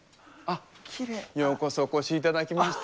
ようこそお越しいただきました。